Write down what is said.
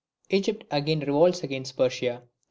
Egypt again revolts against Persia.